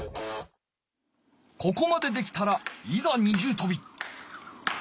ここまでできたらいざ二重とび！